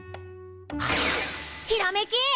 ひらめきっ！